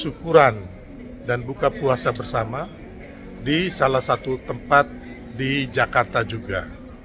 syukuran dan buka puasa bersama di salah satu tempat di jakarta juga